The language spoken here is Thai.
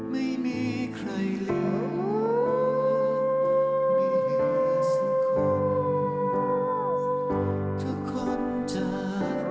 ไม่มีใครเหลือไม่เหลือสักคน